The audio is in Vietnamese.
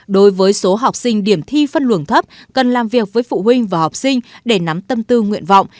đối với số học sinh điểm thi phân luồng thấp cần làm việc với phụ huynh và học sinh để nắm tâm tư nguyện vọng